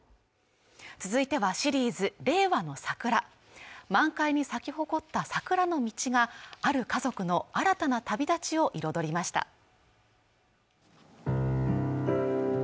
続いてはシリーズ「令和のサクラ」満開に咲き誇った桜の道がある家族の新たな旅立ちを彩りました